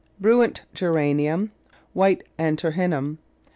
Bruant Geranium White Antirrhinum.